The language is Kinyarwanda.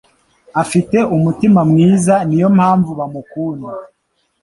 afite umutima mwiza niyompamvu bamukunda